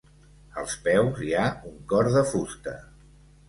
Als peus hi ha un cor de fusta.